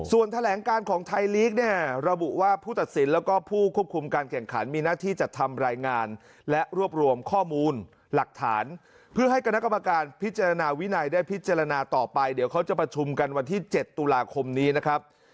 ส่วนแถลงการของไทยลีกเนี่ยระบุว่าผู้ตัดสินแล้วก็ผู้ควบคุมการแข่งขันมีหน้าที่จัดทำรายงานและรวบรวมข้อมูลหลักฐานเพื่อให้คณะกรรมการพิจารณาวินัยได้พิจารณาต่อไปเดี๋ยวเขาจะประชุมกันวันที่๗ตุลาคมนี้นะครับ